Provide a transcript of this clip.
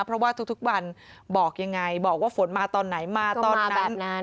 เพราะว่าทุกวันบอกยังไงบอกว่าฝนมาตอนไหนมาตอนไหน